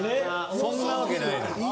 そんなわけないのよ。